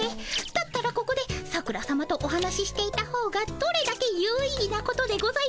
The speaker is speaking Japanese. だったらここで桜さまとお話ししていたほうがどれだけ有意義なことでございましょう。